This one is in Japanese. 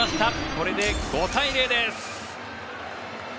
これで５対０です。